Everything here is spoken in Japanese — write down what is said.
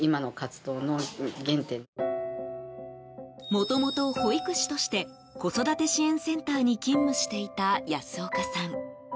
もともと、保育士として子育て支援センターに勤務していた安岡さん。